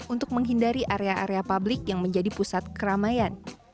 untuk menghindari area area publik yang menjadi pusat keramaian